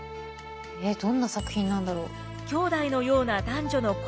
どんな作品なんだろう。